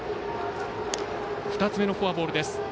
２つ目のフォアボールです。